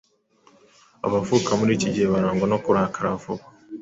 Abavuka muri iki gice barangwa no kurakara vuba